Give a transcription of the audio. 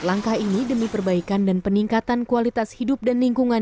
langkah ini demi perbaikan dan peningkatan kualitas hidup dan lingkungan